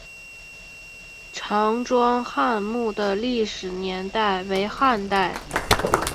常庄汉墓的历史年代为汉代。